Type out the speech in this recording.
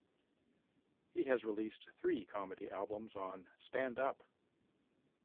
He has released three comedy albums on Stand Up!